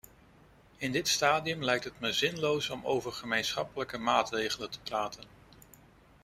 In dit stadium lijkt het me zinloos om over gemeenschappelijke maatregelen te praten.